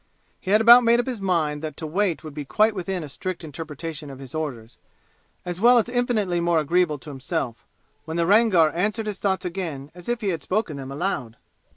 He had about made up his mind that to wait would be quite within a strict interpretation of his orders, as well as infinitely more agreeable to himself, when the Rangar answered his thoughts again as if he had spoken them aloud.